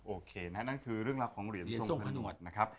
โอเคนะนั่นคือเรื่องราวของเหรียญทรงผนวดนะครับ